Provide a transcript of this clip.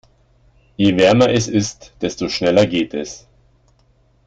Je wärmer es ist, desto schneller geht es.